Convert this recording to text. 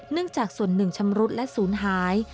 จากส่วนหนึ่งชำรุดและศูนย์หาย